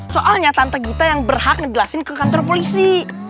soalnya tante kita yang berhak ngejelasin ke kantor polisi